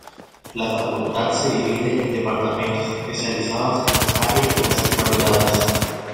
La Facultad se divide en departamentos especializados en las áreas de las Humanidades.